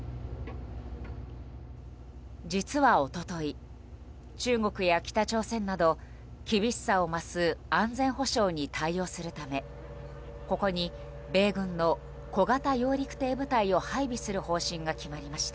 実は、一昨日中国や北朝鮮など厳しさを増す安全保障に対応するためここに米軍の小型揚陸艇部隊を配備する方針が決まりました。